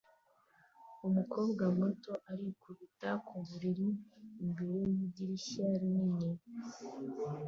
Umukobwa muto arikubita ku buriri imbere yidirishya rinini